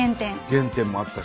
原点もあったし。